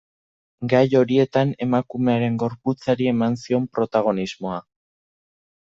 Gai horietan emakumearen gorputzari eman zion protagonismoa.